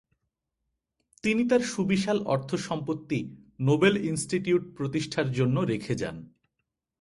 তিনি তার সুবিশাল অর্থ সম্পত্তি নোবেল ইনস্টিটিউট প্রতিষ্ঠার জন্য রেখে যান।